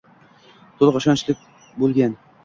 to‘liq, ishonchli bo‘lgan